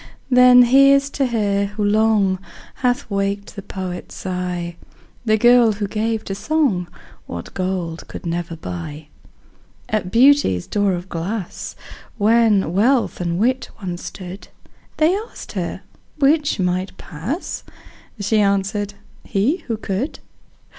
Then here's to her, who long Hath waked the poet's sigh, The girl who gave to song What gold could never buy. At Beauty's door of glass, When Wealth and Wit once stood, They asked her 'which might pass?" She answered, "he, who could."